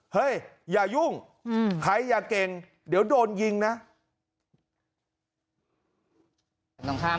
เฮ้ยอย่ายุ่งใครอย่าเก่งเดี๋ยวโดนยิงนะ